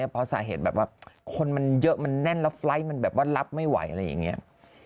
เพราะสาเหตุแบบว่าคนมันเยอะมันแน่นแล้วไฟล์ทมันแบบว่ารับไม่ไหวอะไรอย่างนี้